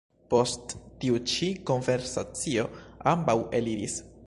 Post tiu ĉi konversacio ambaŭ eliris.